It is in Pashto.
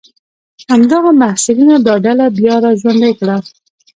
همدغو محصلینو دا ډله بیا را ژوندۍ کړه.